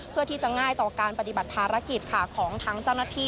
เพื่อที่จะง่ายต่อการปฏิบัติภารกิจค่ะของทั้งเจ้าหน้าที่